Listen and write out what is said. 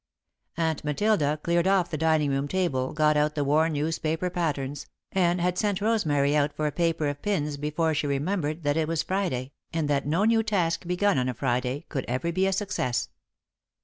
Aunt Matilda cleared off the dining room table, got out the worn newspaper patterns, and had sent Rosemary out for a paper of pins before she remembered that it was Friday, and that no new task begun on a Friday could ever be a success.